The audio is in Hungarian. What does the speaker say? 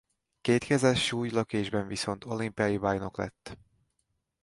Kétkezes súlylökésben viszont olimpiai bajnok lett.